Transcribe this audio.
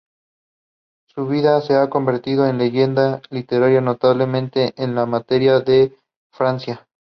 Su vida se ha convertido en leyenda literaria, notablemente en la Materia de Francia.